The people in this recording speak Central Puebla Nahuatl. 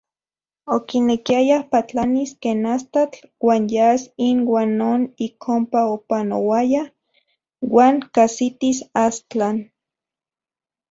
Okinekiaya patlanis ken astatl uan yas inuan non ik onpa opanoayaj uan kajsitis Astlan.